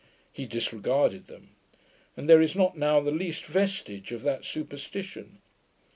He disregarded them; and there is not now the least vestige of that superstition.